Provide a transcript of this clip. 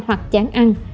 hoặc chán ăn